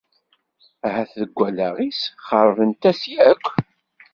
Ahat deg wallaɣ-is xeṛbent-as yakk.